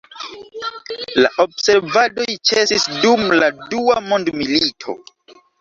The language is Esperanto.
La observadoj ĉesis dum la dua mondmilito.